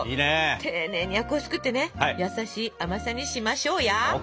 丁寧にあくをすくってね優しい甘さにしましょうや。ＯＫ！